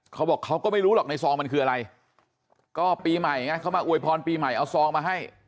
เขาบอกเขาก็ไม่รู้หรอกในซองมันคืออะไรก็ปีใหม่ไงเขามาอวยพรปีใหม่เอาซองมาให้